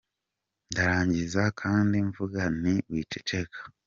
Ndarangiza kandi mvuga nti « Wiceceka !